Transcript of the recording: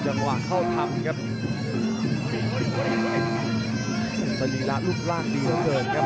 จังหวะเข้าทำครับสรีระรูปร่างดีเหลือเกินครับ